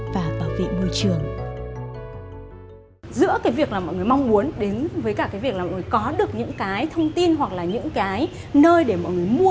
và bảo vệ môi trường